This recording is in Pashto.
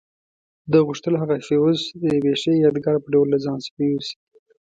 ده غوښتل هغه فیوز د یوې ښې یادګار په ډول له ځان سره یوسي.